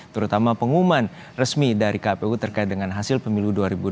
terutama pengumuman resmi dari kpu terkait dengan hasil pemilu dua ribu sembilan belas